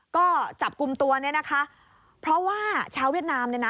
ก็จับกลุ่มตัวเนี่ยนะคะเพราะว่าชาวเวียดนามเนี่ยนะ